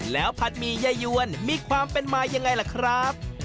แล้วผัดหมี่ยายวนมีความเป็นมายังไงล่ะครับ